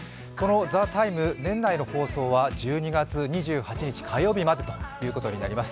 「ＴＨＥＴＩＭＥ，」、年内の放送は１２月２８日火曜日までということになります。